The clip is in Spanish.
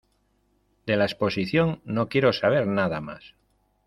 ¡De la exposición no quiero saber nada más!